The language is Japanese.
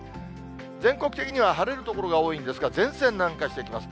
全国的には晴れる所が多いんですが、前線南下していきます。